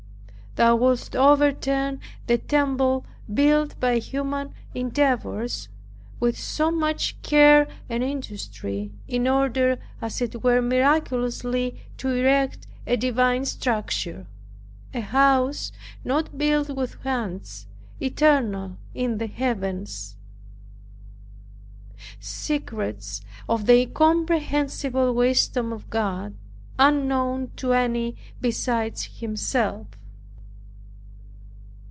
Thou wouldst overturn the temple built by human endeavors, with so much care and industry, in order as it were miraculously to erect a divine structure, a house not built with hands, eternal in the Heavens. Secrets of the incomprehensible wisdom of God, unknown to any besides Himself!